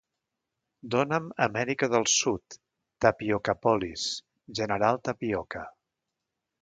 Dóna'm Amèrica del Sud... Tapiocapolis... General Tapioca!